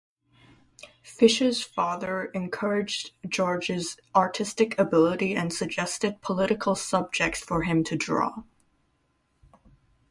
Fisher's father encouraged George's artistic ability and suggested political subjects for him to draw.